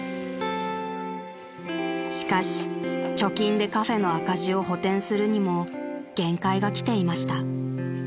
［しかし貯金でカフェの赤字を補てんするにも限界がきていました］